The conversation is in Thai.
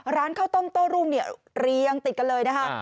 ร้านเค้าต้มโต้รูมเรียงติดกันเลย